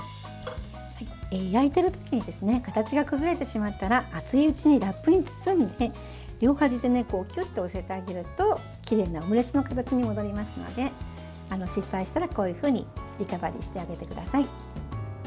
焼いている時に形が崩れてしまったら熱いうちにラップに包んで両端でキュッと寄せてあげるときれいなオムレツの形に戻りますので失敗したら、こういうふうにリカバリーしてあげてください。